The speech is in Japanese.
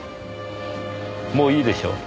もういいでしょう。